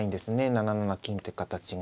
７七金って形が。